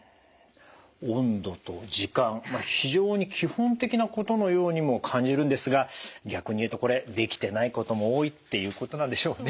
温度と時間非常に基本的なことのようにも感じるんですが逆に言うとこれできてないことも多いっていうことなんでしょうね。